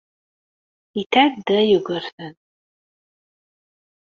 Yetɛedda Yugurten.